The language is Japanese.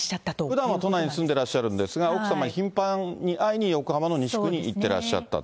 ふだんは都内に住んでらっしゃるんですが、奥様に頻繁に会いに、横浜の西区に行ってらっしゃった。